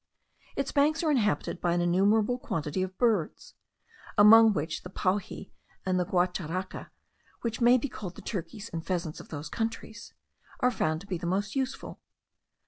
Its banks are inhabited by an innumerable quantity of birds, among which the pauxi and the guacharaca, which may be called the turkeys and pheasants of those countries, are found to be the most useful.